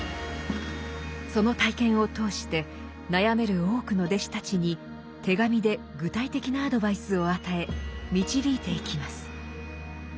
その体験を通して悩める多くの弟子たちに手紙で具体的なアドバイスを与え導いていきます。